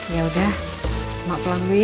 ya udah emak pulang dulu ya